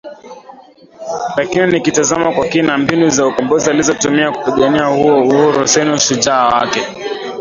Lakini nikitazama kwa kina mbinu za ukombozi alizotumia kupigania huo uhuru sioni ushujaa wake